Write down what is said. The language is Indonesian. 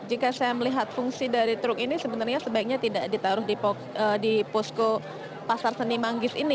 jika saya melihat fungsi dari truk ini sebenarnya sebaiknya tidak ditaruh di posko pasar seni manggis ini